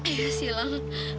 iya sih bang